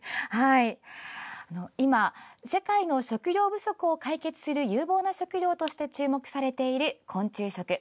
今、世界の食糧不足を解消する有望な食料として注目されている昆虫食。